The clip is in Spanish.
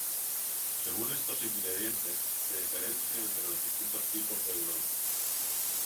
Según estos ingredientes, se diferencia entre los distintos tipos de udon.